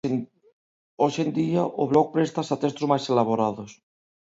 Hoxe en día o blog préstase a textos máis elaborados.